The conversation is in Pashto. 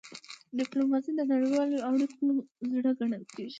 ډيپلوماسي د نړیوالو اړیکو زړه ګڼل کېږي.